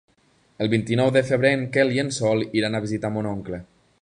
El vint-i-nou de febrer en Quel i en Sol iran a visitar mon oncle.